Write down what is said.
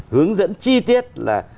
hướng dẫn chi tiết là